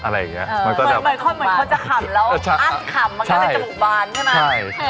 เหมือนคนจะขำแล้วอัดขำมันก็จะเป็นจมูกบานใช่ไหม